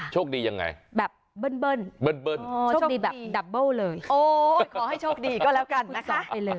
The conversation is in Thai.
โชคดียังไงโชคดีแบบดับเบิ้ลเลยโอ้ขอให้โชคดีก็แล้วกันนะคะ